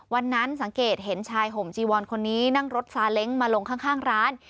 สังเกตเห็นชายห่มจีวอนคนนี้นั่งรถซาเล้งมาลงข้างร้าน